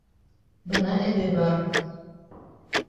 — Бына эҙе бар.